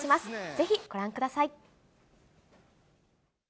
ぜひ、ご覧ください。